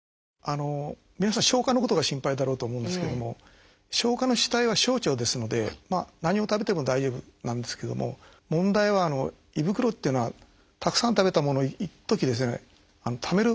皆さん消化のことが心配だろうと思うんですけども消化の主体は小腸ですので何を食べても大丈夫なんですけども問題は胃袋っていうのはたくさん食べたものをいっときためる